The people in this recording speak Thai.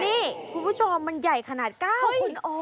นี่คุณผู้ชมมันใหญ่ขนาด๙คุณโอ